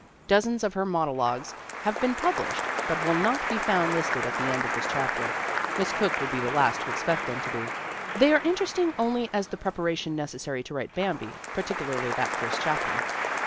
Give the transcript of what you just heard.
Dozens of her monologues have been published but will not be found listed at the end of this chapter. Miss Cooke would be the last to expect them to be. They are interesting only as the preparation necessary to write Bambi, particularly that first chapter.